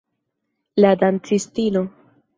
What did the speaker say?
La dancistino.